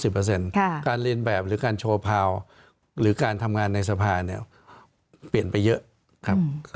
การเรียนแบบหรือการโชว์พาวหรือการทำงานในสภาเนี่ยเปลี่ยนไปเยอะครับ